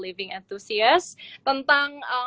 living enthusiast tentang